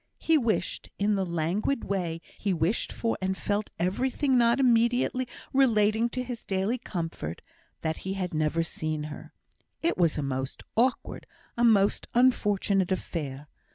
He wished, in the languid way in which he wished and felt everything not immediately relating to his daily comfort, that he had never seen her. It was a most awkward, a most unfortunate affair.